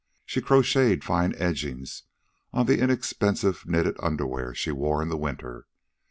She crocheted fine edgings on the inexpensive knitted underwear she wore in winter.